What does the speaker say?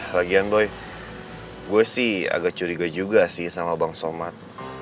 lagian boy gue sih agak curiga juga sih sama bang somad